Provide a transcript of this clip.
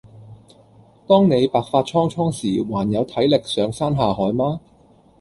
當你白髮蒼蒼時還有體力上山下海嗎？